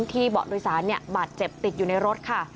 เบาะโดยสารบาดเจ็บติดอยู่ในรถค่ะ